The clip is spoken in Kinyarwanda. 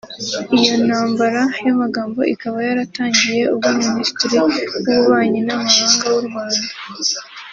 Iyi ntambara y’amagambo ikaba yaratangiye ubwo Ministre w’ububanyi n’amahanga w’u Rwanda